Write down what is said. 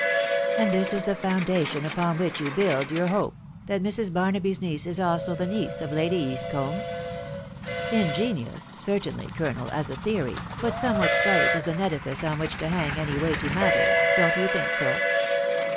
" And this is the foundation upon which you build your hope, that Mrs. Barnaby 's niece is also the niece of Lady Eastcombe ?•••• Ingenious, certainly, colonel, as a theory, but somewhat slight as an edifice on which to hang any weighty matter. ... Don't you think so